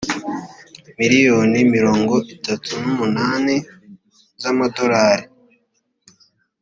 miliyoni mirongo itatu n umunani z amadolari